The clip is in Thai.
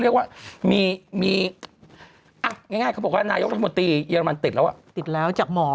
เรียกว่ามีมีง่ายสมมติเยอรมันติดแล้วอ่ะติดแล้วจากหมอ